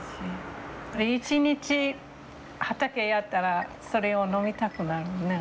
一日畑やったらそれを飲みたくなるね。